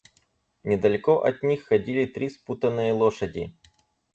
Недалеко от них ходили три спутанные лошади.